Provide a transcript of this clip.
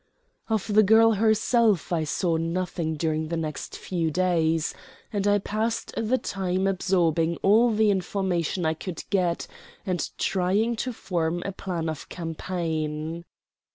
Of the girl herself I saw nothing during the next few days, and I passed the time absorbing all the information I could get, and trying to form a plan of campaign.